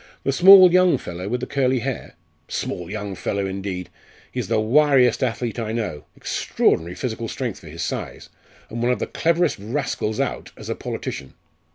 "The small young fellow with the curly hair?" "Small young fellow, indeed! He is the wiriest athlete I know extraordinary physical strength for his size and one of the cleverest rascals out as a politician.